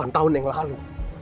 delapan tahun yang lalu